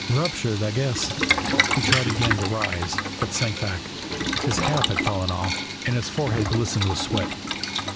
"Ruptured I guess." He tried again to rise, but sank back. His cap had fallen off and his forehead glistened with sweat.